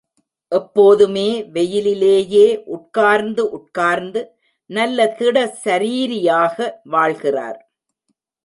எப்போதுமே வெயிலிலேயே உட்கார்ந்து உட்கார்ந்து நல்ல திட சரீரியாக வாழ்கிறார்.